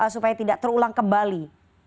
supaya tidak terulang kembali